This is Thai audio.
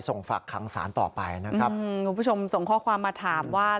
ส่งฝักคังศาลต่อไปนะครับคุณผู้ชมส่งข้อความมาถามว่า